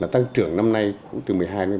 tăng trưởng năm nay cũng từ một mươi hai một mươi ba